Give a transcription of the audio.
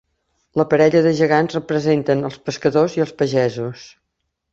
La parella de gegants representen els pescadors i els pagesos.